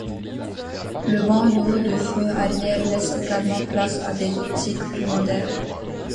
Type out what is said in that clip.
Le bandeau de feux arrière laisse également place à des optique plus modernes.